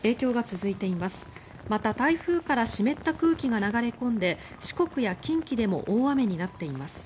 また、台風から湿った空気が流れ込んで四国や近畿でも大雨になっています。